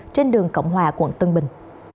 trên đường cộng hòa quận tân bình